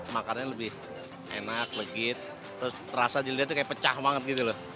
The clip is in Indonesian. makanan lebih enak legit terasa dilihat kayak pecah banget gitu loh